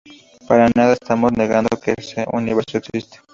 Para nada estamos negando que ese universo existe.